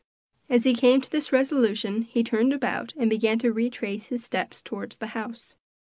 As he came to this resolution he turned about and began to retrace his steps toward the house.